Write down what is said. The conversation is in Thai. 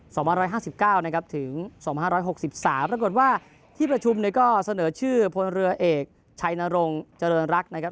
แสดงว่าที่ประชุมก็เสนอชื่อพลเรือเอกชัยนรงเจริญรักนะครับ